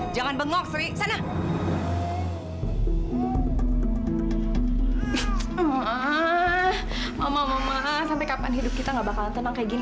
sampai jumpa di video selanjutnya